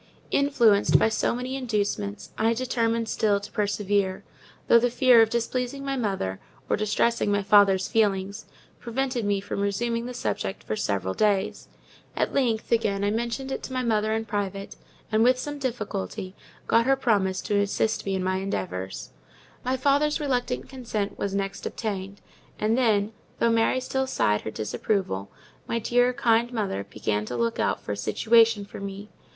Influenced by so many inducements, I determined still to persevere; though the fear of displeasing my mother, or distressing my father's feelings, prevented me from resuming the subject for several days. At length, again, I mentioned it to my mother in private; and, with some difficulty, got her to promise to assist me with her endeavours. My father's reluctant consent was next obtained, and then, though Mary still sighed her disapproval, my dear, kind mother began to look out for a situation for me.